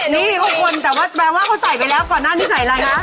นี่๖คนแต่ว่าแปลว่าเขาใส่ไปแล้วก่อนหน้านี้ใส่อะไรนะ